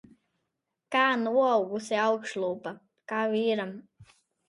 Kā noaugusi augšlūpa. Kā vīram.